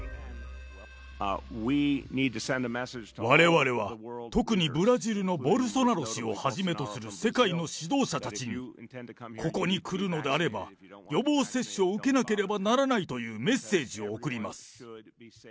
われわれは、特にブラジルのボルソナロ氏をはじめとする世界の指導者たちに、ここに来るのであれば、予防接種を受けなければならないというメッセージを送ります。